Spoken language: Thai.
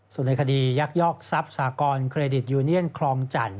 ส่วนในคดียักยอกทรัพย์สากรเครดิตยูเนียนคลองจันท